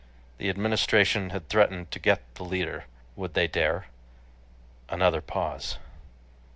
The Administration had threatened to "get" the leader. Would they dare? Another pause!